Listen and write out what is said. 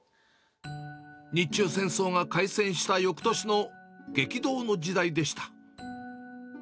日中戦争が開戦したよくとしの激動の時代でした。